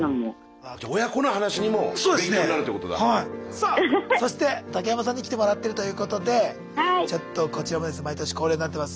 さあそして竹山さんに来てもらってるということでちょっとこちらもですね毎年恒例になってます